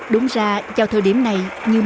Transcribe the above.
đúng ra vào thời điểm này như mọi năm